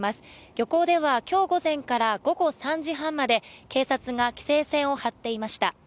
漁港では今日午前から午後３時半まで警察が規制線を張っていました。